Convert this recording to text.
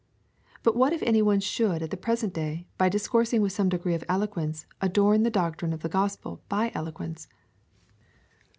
But what if any one should at the present day, by dis coursing with some degree of elegance, adorn the doctrine of the gospel by eloquence